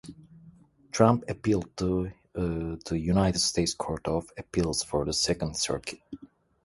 Trump appealed to the United States Court of Appeals for the Second Circuit.